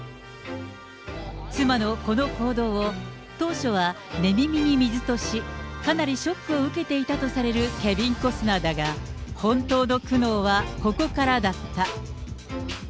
妻のこの行動を、当初は寝耳に水とし、かなりショックを受けていたとされるケビン・コスナーだが、本当の苦悩はここからだった。